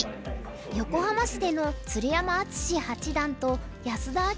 横浜市での鶴山淳志八段と安田明